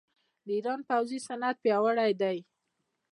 د ایران پوځي صنعت پیاوړی دی.